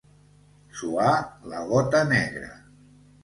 Suar la gota negra.